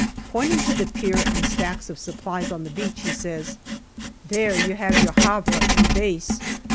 Pointing to the pier and the stacks of supplies on the beach, he says, " There you have your Havre and base."